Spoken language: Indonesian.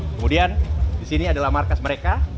kemudian di sini adalah markas mereka